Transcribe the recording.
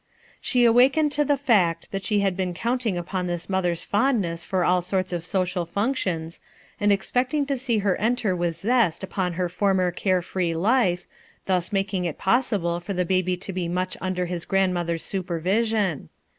She awakened to the fact that she had been counting upon this mother's fondness for all sorts of social functions, and expecting to see her enter with zest upon her former care free life, thus making it possible for the baby to be much under his grandmother's supervision.